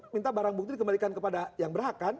minta barang bukti dikembalikan kepada yang berhak kan